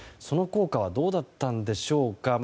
その効果はどうだったんでしょうか。